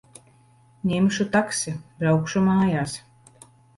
Ņemšu taksi. Braukšu mājās.